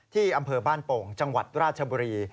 ที่อำเภอบ้านโป่งจังหวัดราชบุรี